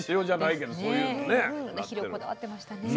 肥料こだわってましたね。